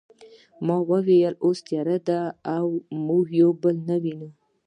ما وویل اوس تیاره ده او موږ یو بل نه وینو